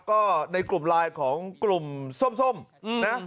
ก็ในกลุ่มไลน์ของกลุ่มส้มนะ